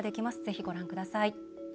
ぜひ、ご覧ください。